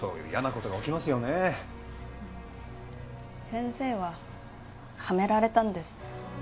先生ははめられたんです。